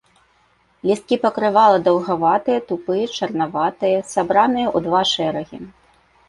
Лісткі пакрывала даўгаватыя, тупыя, чарнаватыя, сабраныя ў два шэрагі.